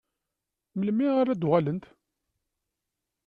Melmi ara d-uɣalent?